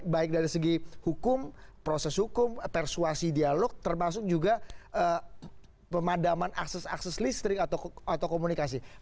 baik dari segi hukum proses hukum persuasi dialog termasuk juga pemadaman akses akses listrik atau komunikasi